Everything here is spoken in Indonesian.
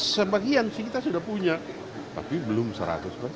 sebagian sih kita sudah punya tapi belum seratus persen